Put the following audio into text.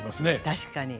確かに。